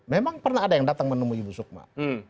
memang pernah ada yang datang menemui ibu sukma